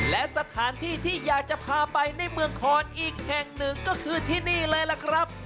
และสถานที่ที่อยากจะพาไปในเมืองคอนอีกแห่งหนึ่งก็คือที่นี่เลยล่ะครับ